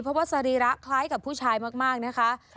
เพราะว่าสรีระคล้ายกับผู้ชายมากนะคะ